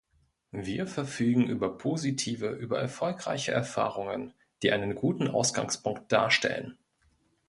Wir verfügen über positive, über erfolgreiche Erfahrungen, die einen guten Ausgangspunkt darstellen.